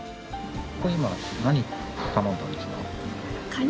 これ、今何頼んだんですか？